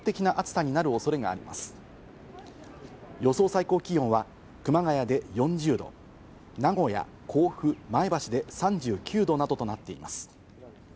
最高気温は熊谷で４０度、名古屋、甲府、前橋で３９度などとなっています。